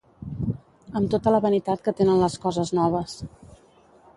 Am tota la vanitat que tenen les coses noves